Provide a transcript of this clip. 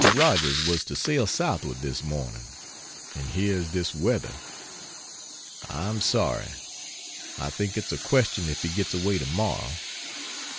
Rogers was to sail southward this morning and here is this weather! I am sorry. I think it's a question if he gets away tomorrow.